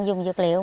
dùng dược liệu